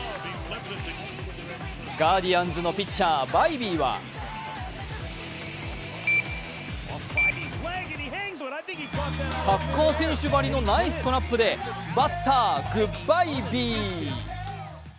ガーディアンズのピッチャー・バイビーはサッカー選手ばりのナイストラップで、バッター、グッバイビー。